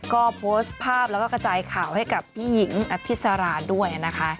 ก็พลสภาพแล้วก็กระจายข่าวให้พี่หญิงหัวพฤษราดด้วยนะคะ